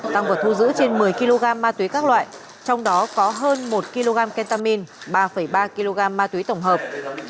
tăng vật thu giữ trên một mươi kg ma túy các loại trong đó có hơn một kg kentamine ba ba kg ma túy tổng hợp